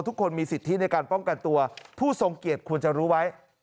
ทุกคนมีสิทธิในการป้องกันตัวผู้ทรงเกียจควรจะรู้ไว้